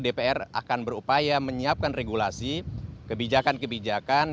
dpr akan berupaya menyiapkan regulasi kebijakan kebijakan